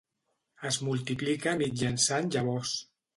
Es multiplica mitjançant llavors.